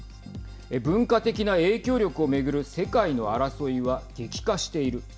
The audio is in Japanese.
文化的な影響力を巡る世界の争いは激化している。